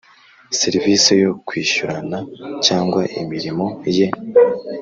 serivisi yo kwishyurana cyangwa imirimo ye